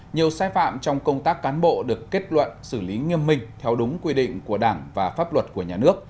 nhiều sai phạm trong công tác cán bộ được kết luận xử lý nghiêm minh theo đúng quy định của đảng và phó